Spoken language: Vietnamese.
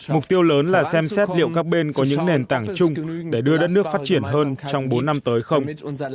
mục tiêu lớn là xem xét liệu các bên có những nền tảng chung để đưa đất nước phát triển hơn trong bốn năm tới không